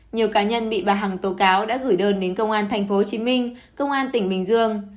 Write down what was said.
nhiều cá nhân bị bà hằng tố cáo đã gửi đơn đến công an tp hcm công an tỉnh bình dương